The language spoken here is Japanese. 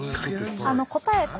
あの答え